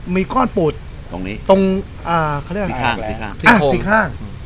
มีก้อนปูดตรงนี้ตรงอ่าเขาเรียกอะไรสี่ข้างสี่ข้างสี่ข้าง